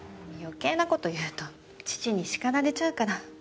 余計な事言うと父に叱られちゃうから。